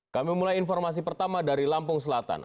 kami mulai informasi pertama dari lampung selatan